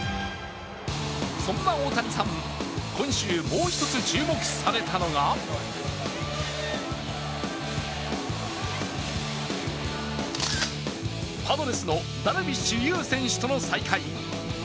そんな大谷さん、今週もう一つ注目されたのがパドレスのダルビッシュ有選手との再会。